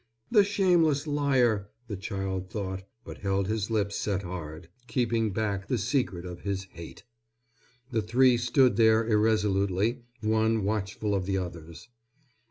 "The shameless liar!" the child thought, but held his lips set hard, keeping back the secret of his hate. The three stood there irresolutely, one watchful of the others.